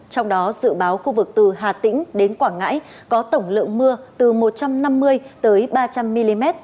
trong đó dự báo khu vực từ hà tĩnh đến quảng ngãi có tổng lượng mưa từ một trăm năm mươi ba trăm linh mm